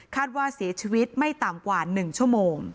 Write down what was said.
คาดว่าเสียชีวิตไม่ต่ำกว่า๑ชม